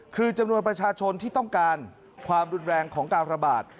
คือจำนวนประชาชนที่ต้องการความรุนแรงของการระบาด